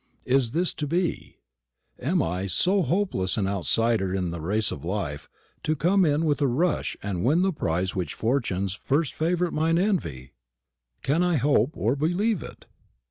Is this to be? Am I, so hopeless an outsider in the race of life, to come in with a rush and win the prize which Fortune's first favourite might envy? Can I hope or believe it?